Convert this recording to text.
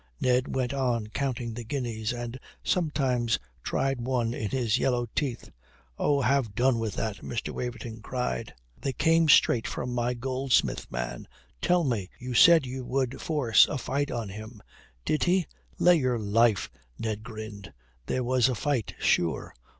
Ned went on counting the guineas, and sometimes tried one in his yellow teeth. "Oh, have done with that!" Mr. Waverton cried. "They come straight from my goldsmith, man. Tell me you said you would force a fight on him. Did he " "Lay your life!" Ned grinned. "There was a fight, sure.